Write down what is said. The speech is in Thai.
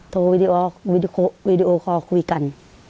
โทรวิดีโอคอล์คุยกัน